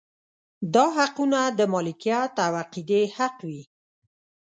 دا حقونه د مالکیت او عقیدې حق وي.